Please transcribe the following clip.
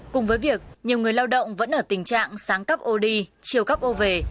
cùng với việc nhiều người lao động vẫn ở tình trạng sáng cấp ô đi chiều cấp ô về